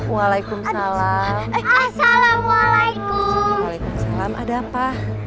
waalaikumsalam assalamualaikum ada apa